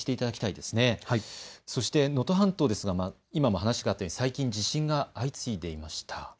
そして能登半島ですが今も話があったように最近、地震が相次いでいました。